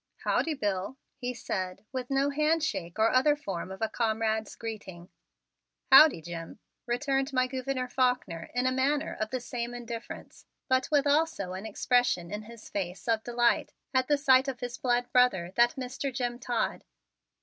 "Howdy, Bill," he said with no handshake or other form of a comrade's greeting. "Howdy, Jim," returned my Gouverneur Faulkner in a manner of the same indifference but with also an expression in his face of delight at the sight of his blood brother, that Mr. Jim Todd.